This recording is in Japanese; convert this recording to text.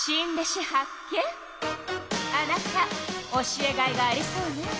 あなた教えがいがありそうね。